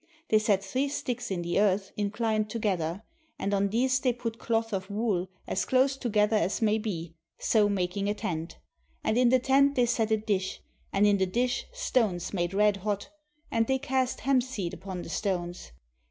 They set three sticks in the earth incUned together; and on these they put cloth of wool as close together as may be, so making a tent. And in the tent they set a dish, and in the dish stones made red hot, and they cast hempseed upon the stones.